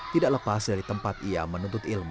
tidak lepas dari tempat ia menuntut ilmu